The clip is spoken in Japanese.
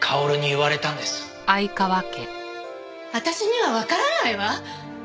私にはわからないわ！